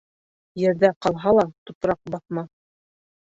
Ерҙә ҡалһа ла тупраҡ баҫмаҫ.